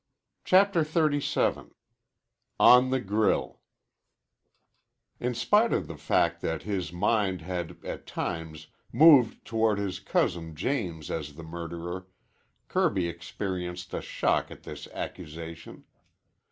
CHAPTER XXXVII ON THE GRILL In spite of the fact that his mind had at times moved toward his cousin James as the murderer, Kirby experienced a shock at this accusation.